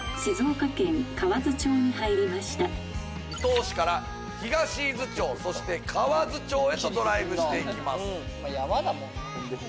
伊東市から東伊豆町河津町へとドライブしていきます。